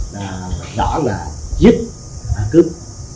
rõ ràng là giết cướp